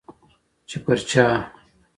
چي پر چا